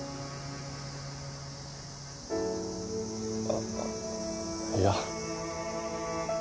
あっいや。